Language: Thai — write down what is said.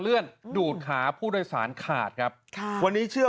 เลื่อนดูดขาผู้โดยสารขาดครับค่ะวันนี้เชื่อ